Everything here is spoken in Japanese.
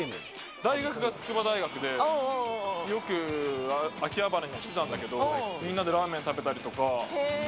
大学が筑波大学で、よく秋葉原にも来てたんだけど、みんなでラーメン食べたりとか。